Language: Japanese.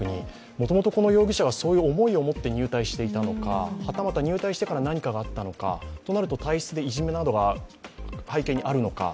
もともとこの容疑者がそういう思いを持って入隊していたのか、はたまた入隊してから何かがあったのかそうなると体質でいじめなどが背景にあるのか。